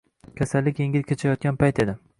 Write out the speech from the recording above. Kasallik yengil kechayotgan payt edi